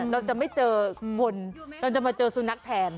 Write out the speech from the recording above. เราจะไม่เจอคนเราจะมาเจอสุนัขแทน